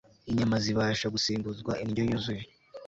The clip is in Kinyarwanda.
Inyama zibasha gusimbuzwa indyo yuzuye